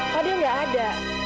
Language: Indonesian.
fadil gak ada